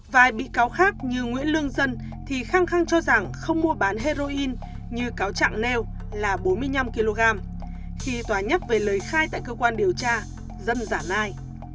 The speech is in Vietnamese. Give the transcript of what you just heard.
vài bị cáo khác như nguyễn lương dân thì khang cho rằng không mua bán heroin như cáo trạng nêu là bốn mươi năm kg khi tòa nhắc về lời khai tại cơ quan điều tra dân giả ai